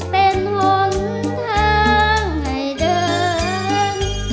เป็นหนทางให้เดิน